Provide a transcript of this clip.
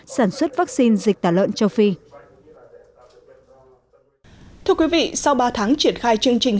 sản xuất vaccine dịch tả lợn châu phi thưa quý vị sau ba tháng triển khai chương trình